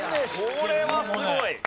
これはすごい！